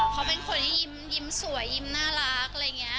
เค้าเป็นคนที่ยิ้มสวยยิ้มน่ารัก